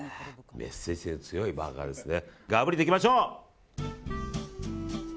メッセージ性の強いバーガーですね。